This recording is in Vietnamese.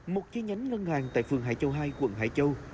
một chi nhánh ngân hàng tại phường hải châu hai quận hải châu